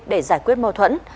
để giải quyết mâu thuẫn